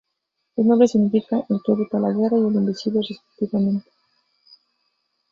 Sus nombres significan "el que evita la guerra" y "el invencible" respectivamente.